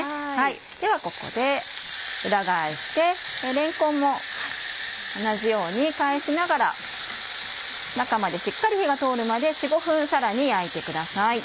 ではここで裏返してれんこんも同じように返しながら中までしっかり火が通るまで４５分さらに焼いてください。